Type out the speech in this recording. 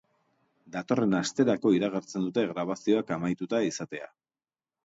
Datorren asterako iragartzen dute grabazioak amaituta izatea.